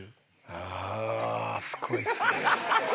あすごいですね。